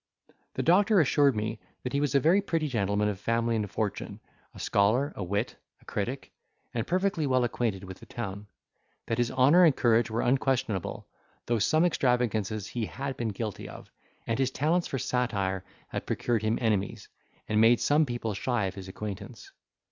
The doctor assured me, that he was a very pretty gentleman of family and fortune; a scholar, a wit, a critic, and perfectly well acquainted with the town; that his honour and courage were unquestionable, though some extravagances he had been guilty of, and his talents for satire had procured him enemies, and made some people shy of his acquaintance.